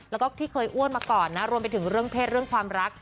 แล้วก็ที่เคยอ้วนมาก่อนนะรวมไปถึงเรื่องเพศเรื่องความรัก